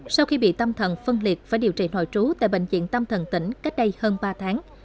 sau khi bị tâm thần phân liệt phải điều trị nội trú tại bệnh viện tâm thần tỉnh cách đây hơn ba tháng